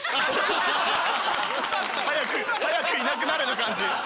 「早くいなくなれ」の感じ。